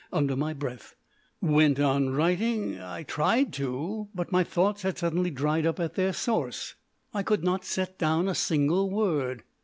under my breath. Went on writing? I tried to, but my thoughts had suddenly dried up at their source. I could not set down a single word.